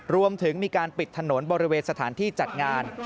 รวมถึงมีการปิดถนนบริเวณสถานที่จัดงาน